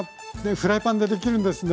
フライパンでできるんですね。